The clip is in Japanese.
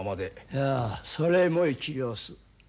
いやそれも一理おす。